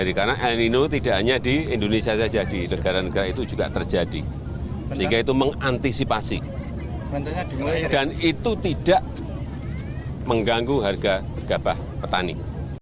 jokowi mengatakan beras ini diimpor dari india pakistan myanmar dan thailand